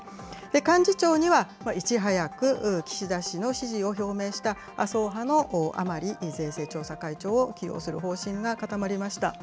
幹事長にはいち早く岸田氏の支持を表明した、麻生派の甘利税制調査会長を起用する方針が固まりました。